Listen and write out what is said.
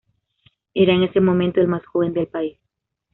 Era, en ese momento, el más joven del país.